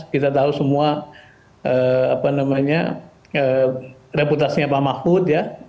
kita tahu semua reputasinya pak mahfud ya